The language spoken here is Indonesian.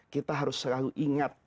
kita harus selalu ingat